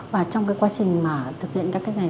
và trong quá trình thực hiện các cái này